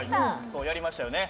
そうやりましたよね。